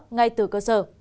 ngay từ cơ sở